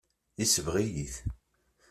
Yesbeɣ-iyi-t.